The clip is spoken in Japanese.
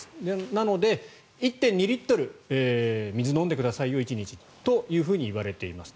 なので、１．２リットル水を飲んでください、１日といわれています。